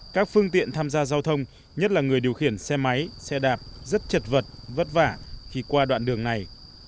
các phương tiện tham gia giao thông nhất là người điều khiển xe máy xe đạp rất chật vật vất vả khi qua đoạn đường này